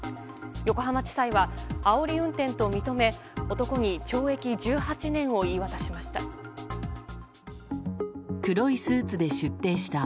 横浜地裁は、あおり運転と認め男に懲役１８年を言い渡しました。